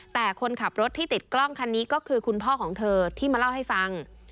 แต่คนขับรถที่ติดกล้องคันนี้ก็คือคุณพ่อของเธอที่มาเล่าให้ฟัง